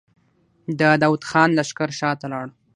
د داوود خان لښکر شاته لاړ.